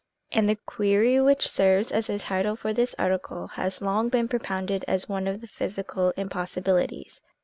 And the query which serves as a title for this article has long been propounded as one of the physical impossibilities.